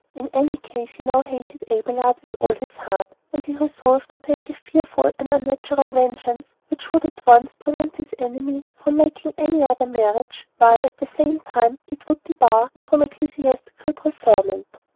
In any case, he now hated Abelard with all his heart; and he resolved to take a fearful and unnatural vengeance which would at once prevent his enemy from making any other marriage, while at the same time it would debar him from ecclesiastical preferment.